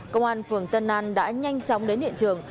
công an phường tân an đã nhanh chóng đến hiện trường